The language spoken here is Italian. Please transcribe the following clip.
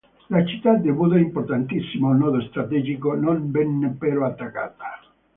La città di Buda, importantissimo nodo strategico, non venne però attaccata.